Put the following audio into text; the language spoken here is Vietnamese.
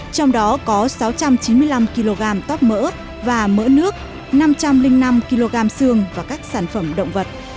trong đó có sáu trăm chín mươi năm kg tóp mỡ và mỡ nước năm trăm linh năm kg xương và các sản phẩm động vật